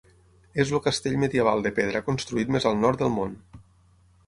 És el castell medieval de pedra construït més al nord del món.